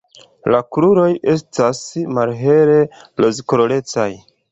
La kruroj estas malhele rozkolorecaj.